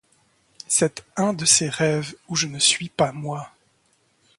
C’est un de ces rêves où je ne suis pas moi.